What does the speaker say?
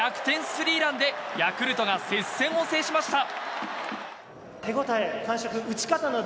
スリーランでヤクルトが接戦を制しました。